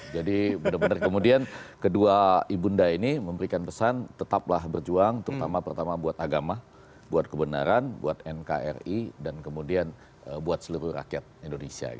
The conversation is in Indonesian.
jadi benar benar kemudian kedua ibunda ini memberikan pesan tetaplah berjuang terutama pertama buat agama buat kebenaran buat nkri dan kemudian buat seluruh rakyat indonesia